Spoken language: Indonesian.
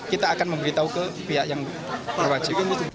kita akan memberitahu ke pihak yang berwajib